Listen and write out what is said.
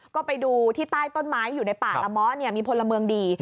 ก็ไปดูที่ใต้ต้นไม้อยู่ในป่าละเมาะมีพลเมืองดี